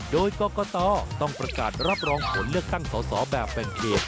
โดยกรกตต้องประกาศรับรองผลเลือกตั้งสอสอแบบแบ่งเขต